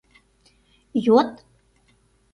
Йод.